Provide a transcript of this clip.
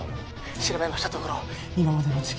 調べましたところ今までの事件